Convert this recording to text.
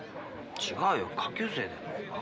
違うよ下級生だよ。